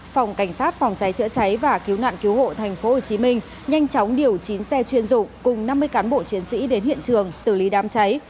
phòng cảnh sát phòng cháy chữa cháy và cứu nạn cứu hộ tp hcm nhanh chóng điều chín xe chuyên dụng cùng năm mươi cán bộ chiến sĩ đến hiện trường xử lý đám cháy